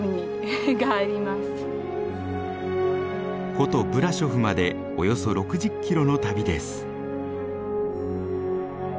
古都ブラショフまでおよそ６０キロの旅です。